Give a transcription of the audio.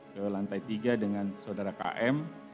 ke lantai tiga dengan saudara km